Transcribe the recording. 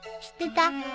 知ってた？